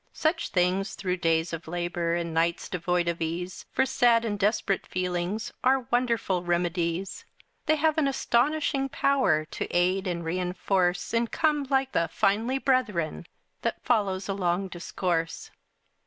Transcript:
Such things through days of labor, And nights devoid of ease, For sad and desperate feelings, Are wonderful remedies. They have an astonishing power To aid and reinforce, And come like the "finally, brethren," That follows a long discourse.